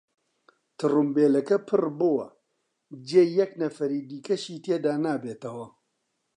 تڕومبێلەکە پڕ بووە، جێی یەک نەفەری دیکەشی تێدا نابێتەوە.